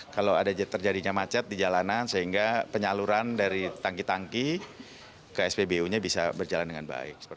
kalau ada terjadinya macet di jalanan sehingga penyaluran dari tangki tangki ke spbu nya bisa berjalan dengan baik